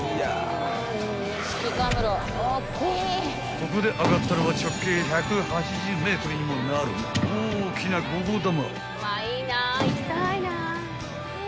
［ここで上がったのは直径１８０ｍにもなる大きな５号玉］